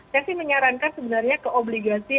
saya sih menyarankan sebenarnya ke obligasi